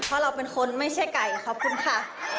เพราะเราเป็นคนไม่ใช่ไก่ขอบคุณค่ะ